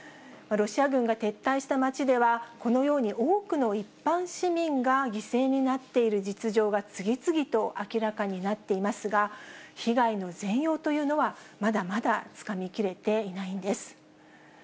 ロシア軍が撤退した町では、このように多くの一般市民が犠牲になっている実情が、次々と明らかになっていますが、被害の全容というのは、まだまだつかみきれていないんです。